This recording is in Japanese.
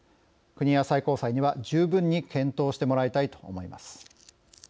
国や最高裁には、十分に検討してもらいたいと思います。